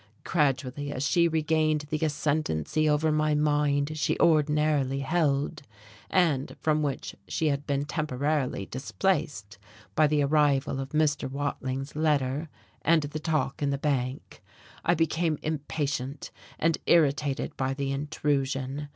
Gradually, as she regained the ascendency over my mind she ordinarily held and from which she had been temporarily displaced by the arrival of Mr. Watling's letter and the talk in the bank I became impatient and irritated by the intrusion.